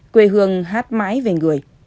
quê hương hát mãi về người